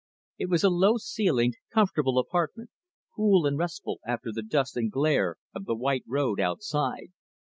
It was a low ceilinged, comfortable apartment, cool and restful after the dust and glare of the white road outside.